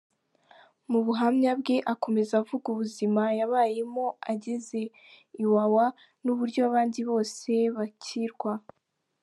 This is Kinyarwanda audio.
Mu buhamya bwe akomeza avuga ubuzima yabayemo ageze Iwawa n’uburyo abandi bose bakirwa.